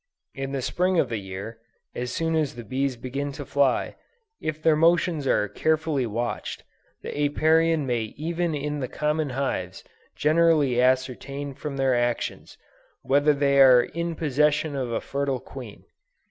In the Spring of the year, as soon as the bees begin to fly, if their motions are carefully watched, the Apiarian may even in the common hives, generally ascertain from their actions, whether they are in possession of a fertile queen.